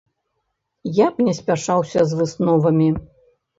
Я б не спяшаўся з высновамі.